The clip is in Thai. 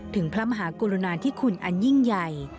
พระมหากรุณาธิคุณอันยิ่งใหญ่